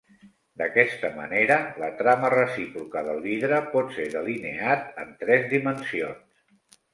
D'aquesta manera, la trama recíproca del vidre pot ser delineat en tres dimensions.